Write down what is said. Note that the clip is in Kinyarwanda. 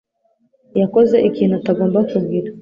yakoze ikintu atagomba kugira